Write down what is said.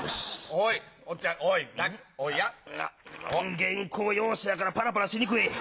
原稿用紙だからパラパラしにくい。